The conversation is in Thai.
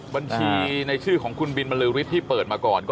บัญชีในชื่อของคุณบินบรรลือฤทธิ์ที่เปิดมาก่อน